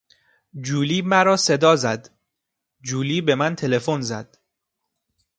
جولی مرا صدا زد، جولی به من تلفن زد.